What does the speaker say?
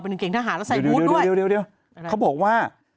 กางเกงทหารแล้วใส่บูธด้วยเดี๋ยวเขาบอกว่า